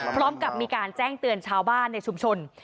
พร้อมกับมีการแจ้งเตือนชาวบ้านในชุมชน